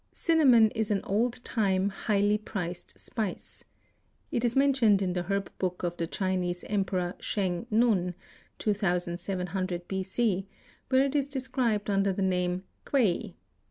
Cinnamon is an old time, highly priced spice. It is mentioned in the herb book of the Chinese emperor Schen nung (2700 B. C.), where it is described under the name Kwei.